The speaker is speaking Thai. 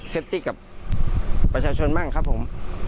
ตี้กับประชาชนบ้างครับผม